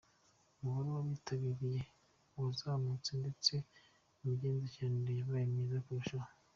Umubare w’abitabiriye warazamutse ndetse n’imigendekere yabaye myiza kurushaho.